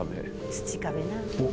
土壁な。